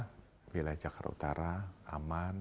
karena wilayah jakarta utara aman